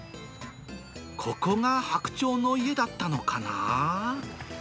ここがハクチョウの家だったのかな。